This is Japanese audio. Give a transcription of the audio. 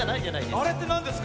あれってなんですか？